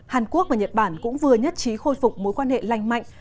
hàn quốc và nhật bản cũng vừa nhất trí khôi phục mối quan hệ lành mạnh